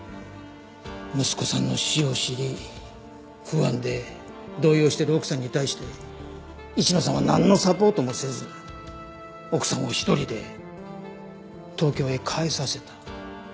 息子さんの死を知り不安で動揺している奥さんに対して市野さんはなんのサポートもせず奥さんを１人で東京へ帰させた。